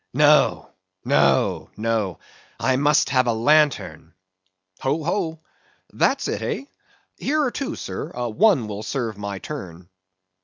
No, no, no; I must have a lantern. Ho, ho! That's it, hey? Here are two, sir; one will serve my turn.